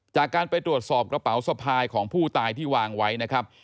จากการไปตรวจสอบกระเป๋าสะพายของผู้ตายที่วางไว้นะครับ